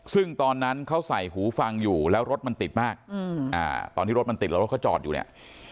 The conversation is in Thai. ซึ่งตอนนั้นเขาใส่หูฟังอยู่แล้วรถมันติดมากตอนที่รถมันติดแล้วรถเขาจอดอยู่เนี่ย